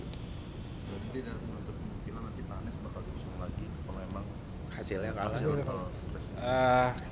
jadi tidak menutup kemungkinan nanti pak anies bakal diusung lagi kalau emang hasilnya kalah